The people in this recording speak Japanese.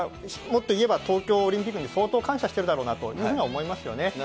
もっと言えば東京オリンピックに相当感謝してるだろうなというふうには思いますよね。